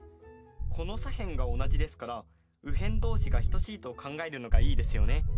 この左辺が同じですから右辺同士が等しいと考えるのがいいですよね。